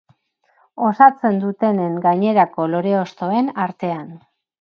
Osatzen dutenen gainerako lore-hostoen artean.